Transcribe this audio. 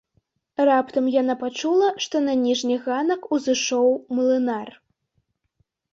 Раптам яна пачула, што на ніжні ганак узышоў млынар.